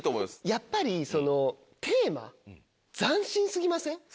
やっぱりそのテーマ斬新過ぎません？